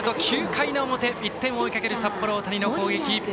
９回の表、１点を追いかける札幌大谷の攻撃。